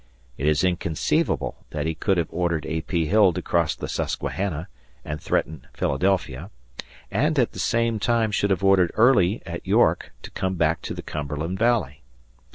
It is inconceivable that he could have ordered A. P. Hill to cross the Susquehanna and threaten Philadelphia, and at the same time should have ordered Early, at York, to come back to the Cumberland Valley.